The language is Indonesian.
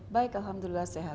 baik alhamdulillah sehat